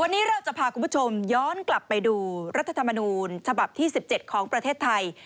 วันนี้เราจะพาคุณผู้ชมย้อนกลับไปดูรัฐธรรมนูญฉบับที่๑๗ของประเทศไทย